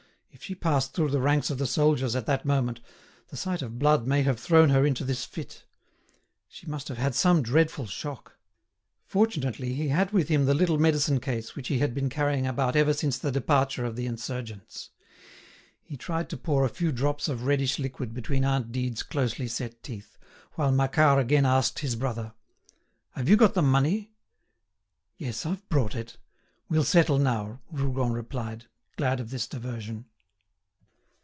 If she passed through the ranks of the soldiers at that moment, the sight of blood may have thrown her into this fit. She must have had some dreadful shock." Fortunately he had with him the little medicine case which he had been carrying about ever since the departure of the insurgents. He tried to pour a few drops of reddish liquid between aunt Dide's closely set teeth, while Macquart again asked his brother: "Have you got the money?" "Yes, I've brought it; we'll settle now," Rougon replied, glad of this diversion.